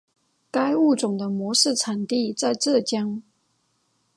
该物种的模式产地在浙江。